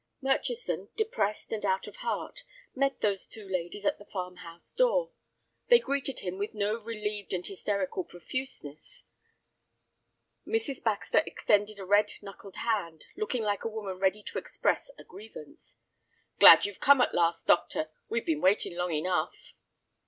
Murchison, depressed and out of heart, met these two ladies at the farm house door. They greeted him with no relieved and hysterical profuseness. Mrs. Baxter extended a red knuckled hand, looking like a woman ready to express a grievance. "Glad you've come at last, doctor; we've been waiting long enough."